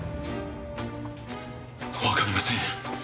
わかりません。